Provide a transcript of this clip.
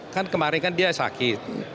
kan kemarin kan dia sakit